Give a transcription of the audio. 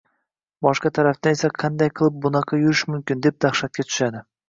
boshqa tarafdan esa “Qanday qilib bunaqa yurish mumkin?”, deb dahshatga tushadi.